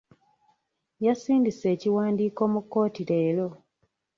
Yasindise ekiwandiiko mu kkooti leero.